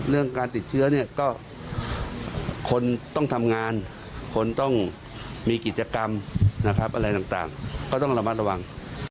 เรื่องการติดเชื้อเนี่ยก็คนต้องทำงานคนต้องมีกิจกรรมนะครับอะไรต่างก็ต้องระมัดระวัง